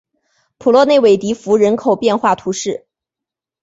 普洛内韦迪福人口变化图示